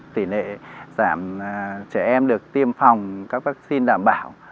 tỷ lệ giảm trẻ em được tiêm phòng các vaccine đảm bảo